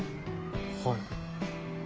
はい。